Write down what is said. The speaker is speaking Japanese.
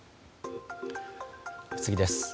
次です。